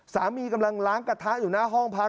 กำลังล้างกระทะอยู่หน้าห้องพัก